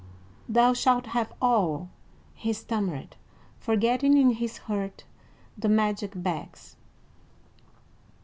"Thou shalt have all," he stammered, forgetting, in his hurt, the magic bags.